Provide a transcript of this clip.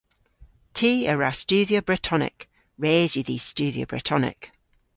Ty a wra studhya Bretonek. Res yw dhis studhya Bretonek.